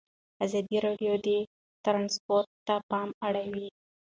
ازادي راډیو د ترانسپورټ ته پام اړولی.